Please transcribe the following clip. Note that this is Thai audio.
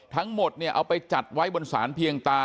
ทั้งหมดเอาไปจัดไว้บนศาลเพียงตา